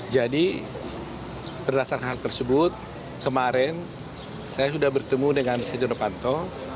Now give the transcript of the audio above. berdasarkan hal tersebut kemarin saya sudah bertemu dengan setia novanto